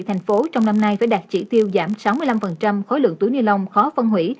thành phố trong năm nay phải đạt chỉ tiêu giảm sáu mươi năm khối lượng túi ni lông khó phân hủy